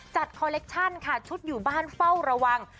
คอลเลคชั่นค่ะชุดอยู่บ้านเฝ้าระวัง